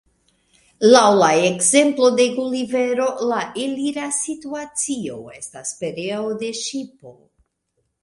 Laŭ la ekzemplo de Gulivero la elira situacio estas pereo de ŝipo.